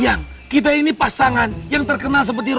yang kita ini pasangan yang terkenal seperti roti